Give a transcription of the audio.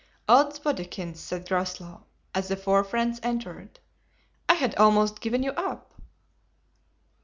"Od's bodikins," said Groslow, as the four friends entered, "I had almost given you up."